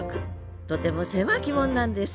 とても狭き門なんです。